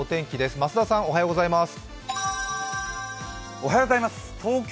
増田さん、おはようございます。